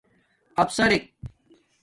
افسرک